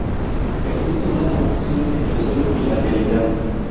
Existe una confusión entre el sueño y la realidad.